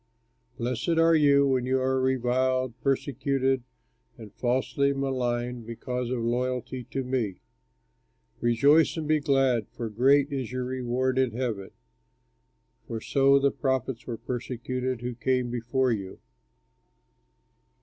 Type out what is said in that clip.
Blessed are you when you are reviled, persecuted, and falsely maligned because of loyalty to me; Rejoice and be glad, for great is your reward in heaven, for so the prophets were persecuted who came before you."